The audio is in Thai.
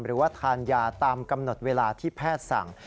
หรือว่าทานยาตามกำหนดเวลาที่แพทย์สั่ง